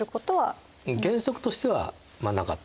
原則としてはなかったと。